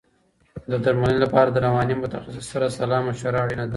د درملنې لپاره د رواني متخصص سره سلا مشوره اړینه ده.